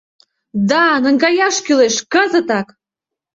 — Да-а... наҥгаяш кӱлеш... кызытак...